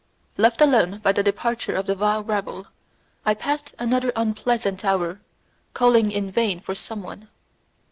Left alone by the departure of the vile rabble, I passed another unpleasant hour, calling in vain for someone.